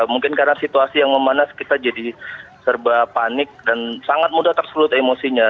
mungkin karena situasi yang memanas kita jadi serba panik dan sangat mudah terselut emosinya